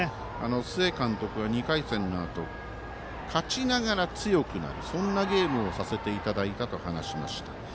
須江監督は２回戦のあと勝ちながら強くなるそんなゲームをさせていただいたと話しました。